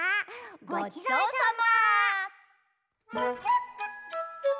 ごちそうさま。